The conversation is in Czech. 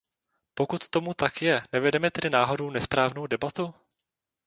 Pokud tomu tak je, nevedeme tady náhodou nesprávnou debatu?